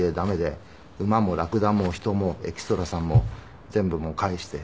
馬もラクダも人もエキストラさんも全部帰して。